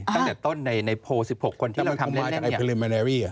ตั้งแต่ต้นในโพลสิบหกคนที่เราทำเล่นเนี่ย